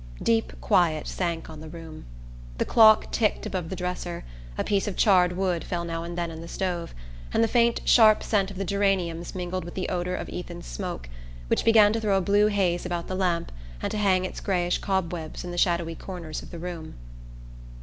Deep quiet sank on the room. The clock ticked above the dresser, a piece of charred wood fell now and then in the stove, and the faint sharp scent of the geraniums mingled with the odour of Ethan's smoke, which began to throw a blue haze about the lamp and to hang its greyish cobwebs in the shadowy corners of the room.